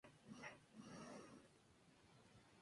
Es aficionado de Kiss, Ian Paice, Cozy Powell y Vinny Appice.